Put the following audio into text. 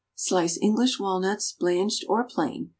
Slice English walnuts, blanched or plain.